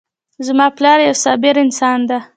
زما پلار یو صابر انسان ده